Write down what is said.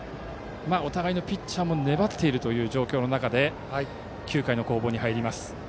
お互いのピッチャーも粘っている中で９回の攻防に入ります。